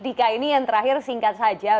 dika ini yang terakhir singkat saja